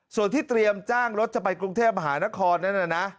ส่วนที่เตรียมจ้างรถจะไปกรุงเทพมหานครนั่นน่ะนะ